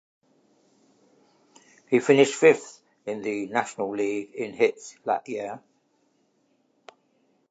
He finished fifth in the National League in hits that year.